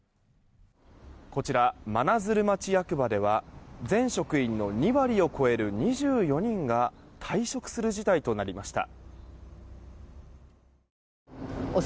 こちら真鶴町役場では全職員の２割を超える２４人が退職する事態となりました。